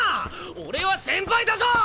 俺は先輩だぞ！